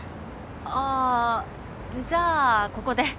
ああじゃあここで。